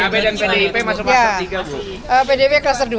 berarti pnp dan pdip masuk klaster tiga bu